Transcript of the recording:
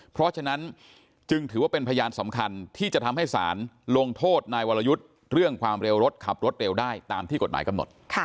เพราะฉะนั้นจึงถือว่าเป็นพยานสำคัญที่จะทำให้สารลงโทษนายวรยุทธ์เรื่องความเร็วรถขับรถเร็วได้ตามที่กฎหมายกำหนด